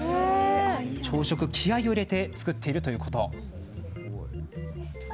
朝食は気合いを入れて作っているそうです。